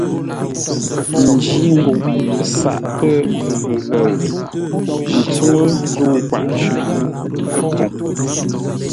Njǐ nguʼ saʼ pə́ ghəghəʉ ə́ tsúŋú zə́u kwaʼ shʉʼʉ ə́ poŋ.